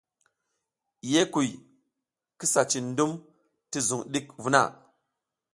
Ye kuy, kisa cin dum ti zung ɗik vuna.